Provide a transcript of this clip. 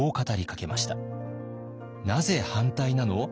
「なぜ反対なの？」